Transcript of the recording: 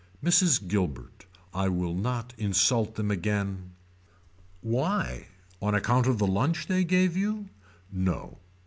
Mrs. Gilbert. I will not insult them again. Why on account of the lunch they gave you. No.